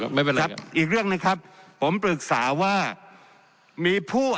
ไม่เป็นไรครับอีกเรื่องหนึ่งครับผมปรึกษาว่ามีผู้